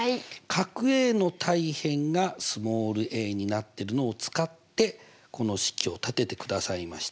角Ａの対辺がになってるのを使ってこの式を立ててくださいました。